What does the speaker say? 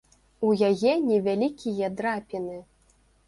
У яе невялікія драпіны.